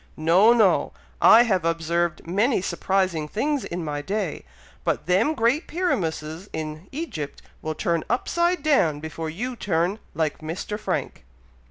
No! no! I have observed many surprising things in my day, but them great pyramuses in Egypt will turn upside down before you turn like Mr. Frank."